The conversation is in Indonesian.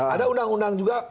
ada undang undang juga